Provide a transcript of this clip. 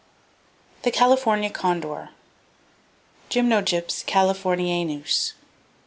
The California Condor, (Gymnogyps californianus).